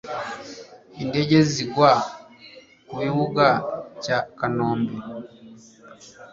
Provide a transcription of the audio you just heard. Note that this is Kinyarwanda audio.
indege zigwa ku bibuga cya kanombe